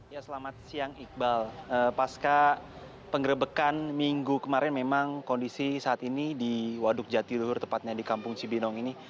ya selamat siang iqbal pasca penggerebekan minggu kemarin memang kondisi saat ini di waduk jatiluhur tepatnya di kampung cibinong ini